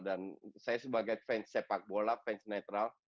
dan saya sebagai fans sepak bola fans netral